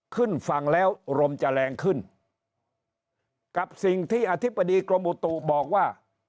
ขึ้นฝั่งแล้วลมจะแรงขึ้นกับสิ่งที่อธิบดีกรมอุตุบอกว่า